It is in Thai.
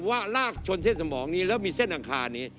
ว่าลากชนเส้นสมองนี้แล้วมีเส้นอังคารนี้